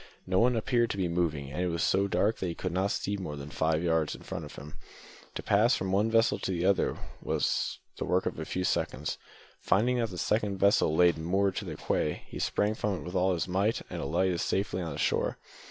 No one appeared to be moving, and it was so dark that he could not see more than four or five yards before him. To pass from one vessel to the other was the work of a few seconds. Finding that the second vessel lay moored to the quay, he sprang from it with all his might and alighted safely on the shore.